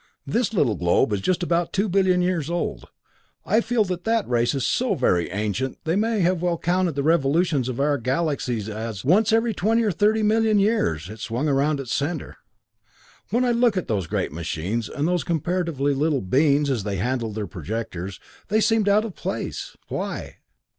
This little globe is just about two billion years old. I feel that that race is so very ancient they may well have counted the revolutions of our galaxy as, once every twenty or thirty million years, it swung about its center. "When I looked at those great machines, and those comparatively little beings as they handled their projectors, they seemed out of place. Why?"